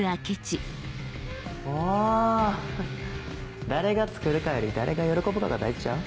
あぁ誰が作るかより誰が喜ぶかが大事ちゃう？